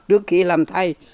trước khi làm thay